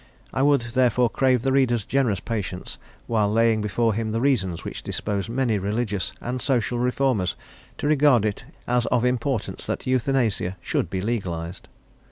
I would therefore crave the reader's generous patience, while laying before him the reasons which dispose many religious and social reformers to regard it as of importance that euthanasia should be legalised.